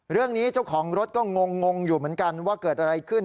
เจ้าของรถก็งงอยู่เหมือนกันว่าเกิดอะไรขึ้น